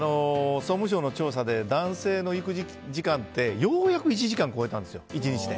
総務省の調査で男性の育児時間ってようやく１時間超えたんです１日で。